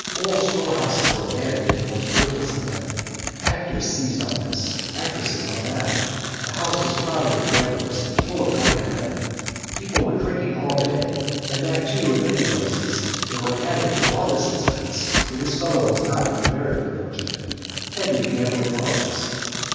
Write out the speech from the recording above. Whole storehouses were abandoned to the most worthless of men. Actors seized on this, actresses on that, the house was crowded with gamblers, and full of drunken men, people were drinking all day, and that too in many places, there were added to all this expense (for this fellow was not invariably fortunate) heavy gambling losses.